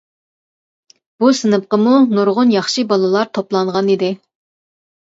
بۇ سىنىپقىمۇ نۇرغۇن ياخشى بالىلار توپلانغان ئىدى.